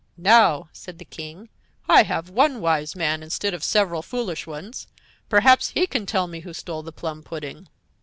"Now," said the King, "I have one Wise Man instead of several foolish ones. Perhaps he can tell me who stole the plum pudding."